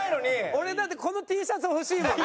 俺だってこのＴシャツ欲しいもんね。